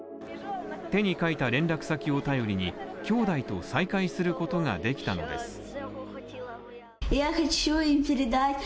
手に書いた連絡先を頼りにきょうだいと再会することができたのです。